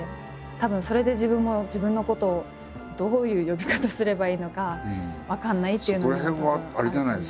たぶんそれで自分も自分のことをどういう呼び方すればいいのか分からないっていうのがたぶん。